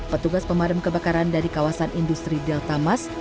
petugas pemadam kebakaran dari kawasan industri delta mas